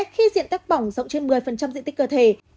khi diện tích bỏng rộng trên một mươi diện tích cơ thể